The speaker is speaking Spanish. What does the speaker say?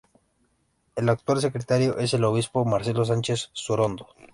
El actual secretario es el obispo Marcelo Sánchez Sorondo.